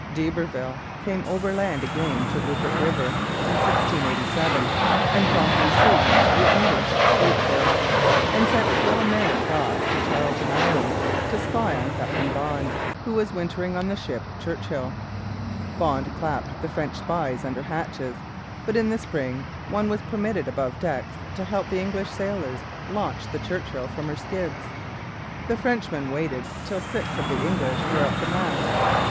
D'Iberville came overland again to Rupert river in 1687, promptly seized the English sloop there, and sent four men across to Charlton Island to spy on Captain Bond, who was wintering on the ship Churchill. Bond clapped the French spies under hatches; but in the spring one was permitted above decks to help the English sailors launch the Churchill from her skids. The Frenchman waited till six of the English were up the masts.